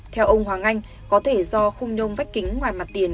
theo ông hoàng anh có thể do khung nhôm vách kính ngoài mặt tiền